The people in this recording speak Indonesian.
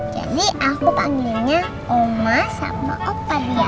jadi aku panggilnya oma sama opa dia